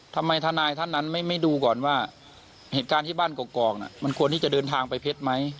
ทนายท่านนั้นไม่ดูก่อนว่าเหตุการณ์ที่บ้านกอกมันควรที่จะเดินทางไปเพชรไหม